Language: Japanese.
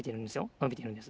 のびてるんです。